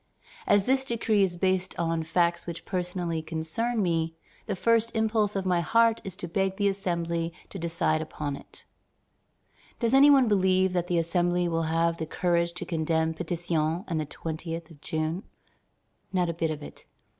As this decree is based on facts which personally concern me, the first impulse of my heart is to beg the Assembly to decide upon it." Does any one believe that the Assembly will have the courage to condemn Pétion and the 20th of June? Not a bit of it.